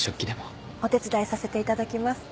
お手伝いさせていただきます。